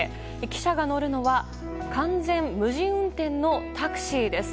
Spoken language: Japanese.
記者が乗るのは完全無人運転のタクシーです。